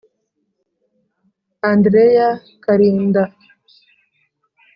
andreya kalinda,